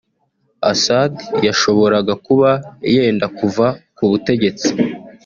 Assad yashoboraga kuba yenda kuva ku butegetsi